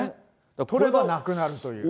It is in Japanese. これがなくなるという。